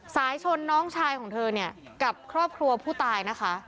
สายชนน้องชายของเธอกับครอบครัวผู้ตาย